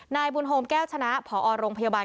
นายบุญโฮมแก้วชนะผอโรงพยาบาล